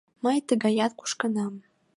Мый тыгаяк кушкынам.